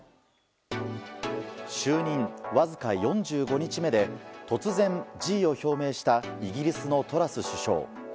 就任わずか４５日目で突然辞意を表明したイギリスのトラス首相。